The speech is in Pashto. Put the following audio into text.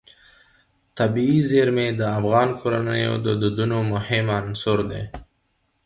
طبیعي زیرمې د افغان کورنیو د دودونو مهم عنصر دی.